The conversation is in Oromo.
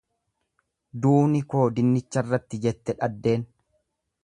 Duuni koo dinnicharratti jette dhaddeen.